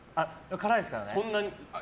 辛いですからね。